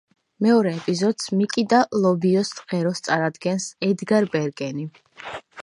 მეორე ეპიზოდს, „მიკი და ლობიოს ღეროს“, წარადგენს ედგარ ბერგენი.